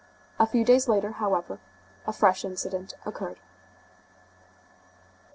A few days later, however, a fresh incident occurred.